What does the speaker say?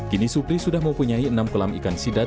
kini supri sudah mempunyai enam kolam ikan sidat